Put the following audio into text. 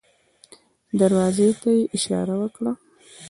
دروازې ته يې اشاره وکړه.